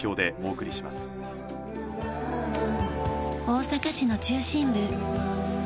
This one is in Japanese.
大阪市の中心部。